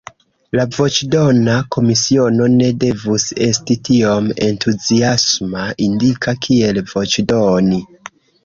La voĉdona komisiono ne devus esti tiom entuziasma, indika kiel voĉdoni.